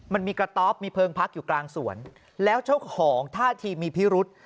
มันมีกระต๊อบมีเพลิงพักอยู่กลางสวนแล้วเจ้าของท่าทีมีพิรุษ